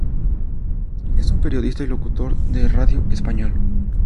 Es un periodista y locutor de radio español.